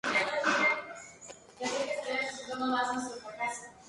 La sub-especie "V. álbum var.virexcens tiene las flores verdes.